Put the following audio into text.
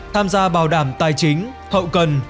tham gia bảo đảm tài chính hậu cần